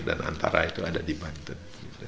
antara itu ada di banten